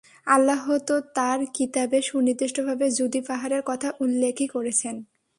আল্লাহ তো তাঁর কিতাবে সুনির্দিষ্টভাবে জুদী পাহাড়ের কথা উল্লেখই করেছেন।